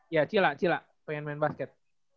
iya cila cila pengen main basket